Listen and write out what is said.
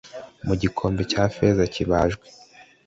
Mu gikombe cya feza kibajwe